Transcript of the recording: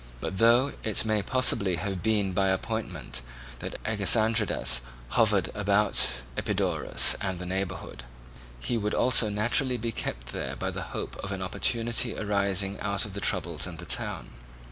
But though it may possibly have been by appointment that Agesandridas hovered about Epidaurus and the neighbourhood, he would also naturally be kept there by the hope of an opportunity arising out of the troubles in the town.